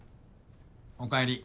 おかえり。